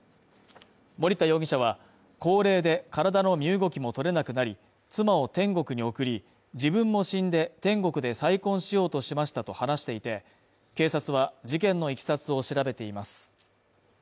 森田容疑者は、高齢で体の身動きもとれなくなり妻を天国に送り、自分も死んで天国で再婚しようとしましたと話していて、警察は事件のいきさつを調べています。